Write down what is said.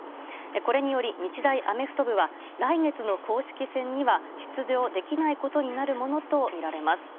これにより、日大アメフト部は来月の公式戦には出場できないことになるものとみられます。